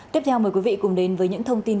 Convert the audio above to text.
tiếp theo mời quý vị cùng đến với những thông tin